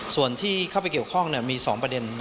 ส่วนที่เข้าไปเกี่ยวข้องมี๒ประเด็น